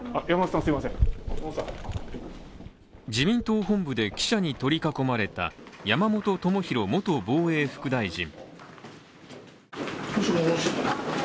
自民党本部で記者に取り囲まれた山本朋広元防衛副大臣。